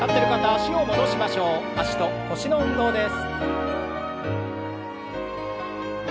脚と腰の運動です。